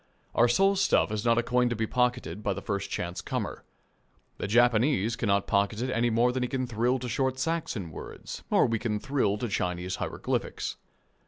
Our soul stuff is not a coin to be pocketed by the first chance comer. The Japanese cannot pocket it any more than he can thrill to short Saxon words or we can thrill to Chinese hieroglyphics.